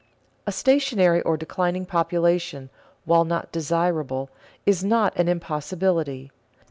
A stationary or declining population, while not desirable, is not an impossibility.